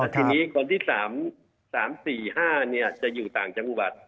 ทีนี้คนที่๓๔๕จะอยู่ต่างจังหวัด